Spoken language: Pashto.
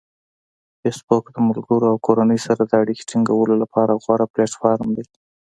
فېسبوک د ملګرو او کورنۍ سره د اړیکې ټینګولو لپاره غوره پلیټفارم دی.